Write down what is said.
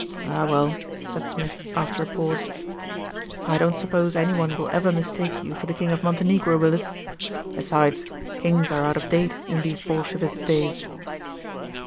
"Ah, well !" said Smith after a pause. "I don't sup pose any one will ever mistake you for the King of Montenegro, Willis. Besides, Kings are out of date in these Bolshevist days."